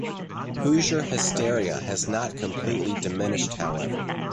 Hoosier Hysteria has not completely diminished however.